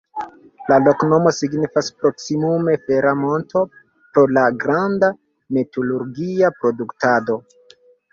La loknomo signifas proksimume "fera monto" pro la granda metalurgia produktado.